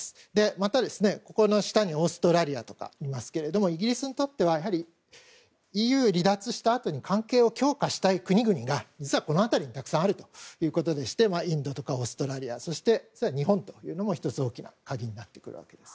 また、この下にはオーストラリアなどがありますけれどもイギリスにとってはＥＵ離脱したあとに関係を強化したい国々が実は、この辺りにたくさんあるということでインドとか、オーストラリアそして、日本というのも１つ大きな鍵になってくるわけです。